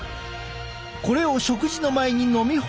これを食事の前に飲み干すこと。